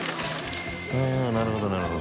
なるほどなるほど。